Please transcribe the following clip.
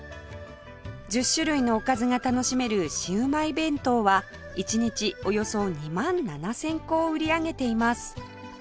１０種類のおかずが楽しめるシウマイ弁当は１日およそ２万７０００個を売り上げています